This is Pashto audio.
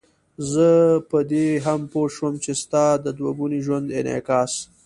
زه په دې هم پوه شوم چې ستا د دوه ګوني ژوند انعکاس.